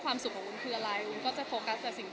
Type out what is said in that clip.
ความสุขของอุ้นคืออะไรอุ้นก็จะโฟกัส